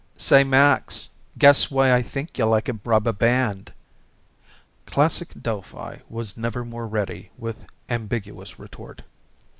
"Say, Max, guess why I think you're like a rubber band." Classic Delphi was never more ready with ambiguous retort.